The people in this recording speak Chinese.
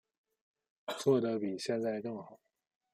做得比现在更好